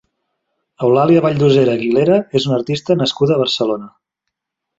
Eulàlia Valldosera Guilera és una artista nascuda a Barcelona.